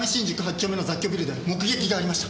丁目の雑居ビルで目撃がありました。